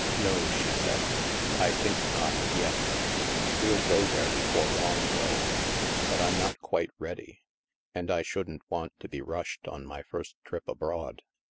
"No," she said, "I think not, yet. We'll go there before long, though. But I'm not quite ready, and I shouldn't want to be rushed on my first trip abroad.